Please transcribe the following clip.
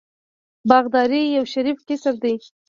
باغداري یو شریف کسب دی.